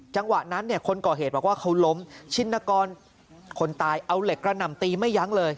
จังหวะนั้นเนี่ยคนก่อเหตุบอกว่าเขาล้มชินกรคนตายเอาเหล็กกระหน่ำตีไม่ยั้งเลย